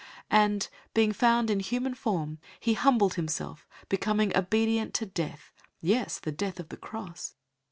002:008 And being found in human form, he humbled himself, becoming obedient to death, yes, the death of the cross.